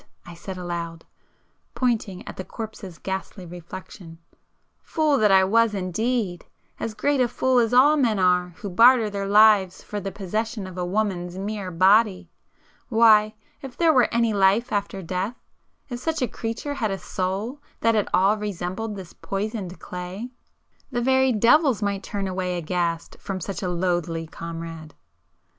I said aloud, pointing at the corpse's ghastly reflection—"Fool that I was indeed!—as great a fool as all men are who barter their lives for the possession of a woman's mere body! Why if there were any life after death,—if such a creature had a soul that at all resembled this poisoned clay, the very devils might turn away aghast from such a loathly comrade!"